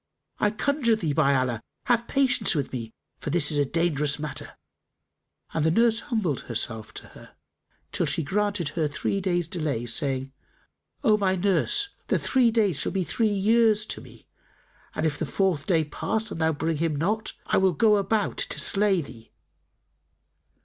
"I conjure thee, by Allah, have patience with me, for this is a dangerous matter!" And the nurse humbled herself to her, till she granted her three days' delay, saying, "O my nurse, the three days will be three years to me; and if the fourth day pass and thou bring him not, I will go about to slay thee."